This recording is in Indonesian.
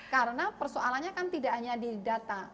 karena persoalannya kan tidak hanya di data